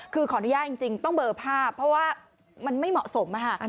คือขออนุญาตจริงต้องเบอร์ภาพเพราะว่ามันไม่เหมาะสม